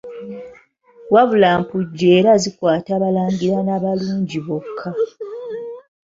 Wabula mpujjo era zikwata balangira na balungi bokka.